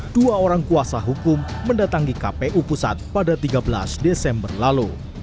dua orang kuasa hukum mendatangi kpu pusat pada tiga belas desember lalu